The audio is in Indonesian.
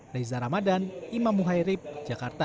reza ramadan imam muhairib jakarta